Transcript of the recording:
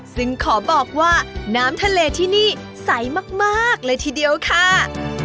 ซึ่งขอบอกว่าน้ำทะเลที่นี่ใสมากเลยทีเดียวค่ะ